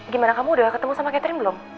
gimana kamu udah ketemu sama catherine belum